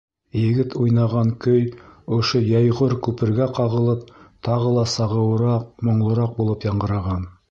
Егет уйнаған көй ошо йәйғор-күпергә ҡағылып тағы ла сағыуыраҡ, моңлораҡ булып яңғыраған.